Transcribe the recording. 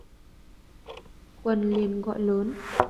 Quần liền gọi lớn